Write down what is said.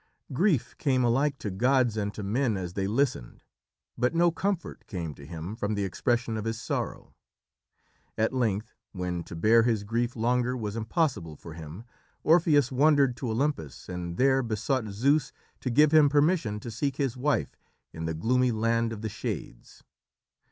Grief came alike to gods and to men as they listened, but no comfort came to him from the expression of his sorrow. At length, when to bear his grief longer was impossible for him, Orpheus wandered to Olympus, and there besought Zeus to give him permission to seek his wife in the gloomy land of the Shades.